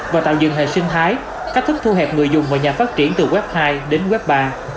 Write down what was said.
và tạo dựng hệ sinh thái cách thức thu hẹp người dùng và nhà phát triển từ web hai đến web ba